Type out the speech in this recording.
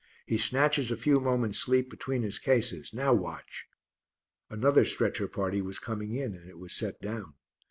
"He snatches a few moments sleep between his cases. Now watch!" Another stretcher party was coming in, and it was set down.